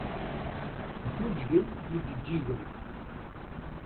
Ǧǧuǧgen yijeǧǧigen.